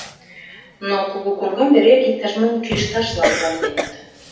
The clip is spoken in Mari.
Но кугу коҥгам эреак иктаж-мом кӱэшташлан олтеныт.